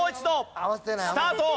スタート！